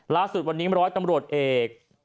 ล่าสุดวันนี้ร้อยตำรวจเอก